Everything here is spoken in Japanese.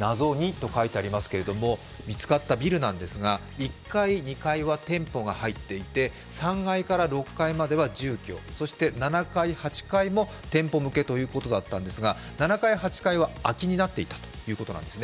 ナゾ②と書いてありますが見つかったビルなんですが１階、２階は店舗が入っていて３階から６階までは住居そして７階、８階も店舗向けということだったんですが、７階８階は空きになっていたということなんですね。